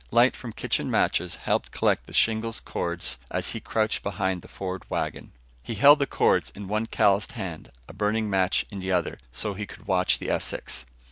Light from kitchen matches helped collect the shingle cords as he crouched behind the Ford wagon. He held the cords in one calloused hand, a burning match in the other so he could watch the Essex.